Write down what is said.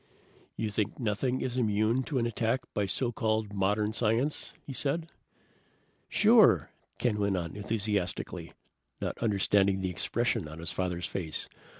"You think nothing is immune to an attack by so called modern science?" he said. "Sure!" Ken went on enthusiastically, not understanding the expression on his father's face.